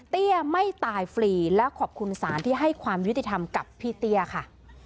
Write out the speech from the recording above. ไม่ตายฟรีและขอบคุณศาลที่ให้ความยุติธรรมกับพี่เตี้ยค่ะ